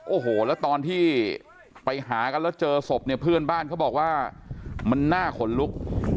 โอ้โหแล้วตอนที่ไปหากันแล้วเจอศพเนี่ยเพื่อนบ้านเขาบอกว่ามันน่าขนลุก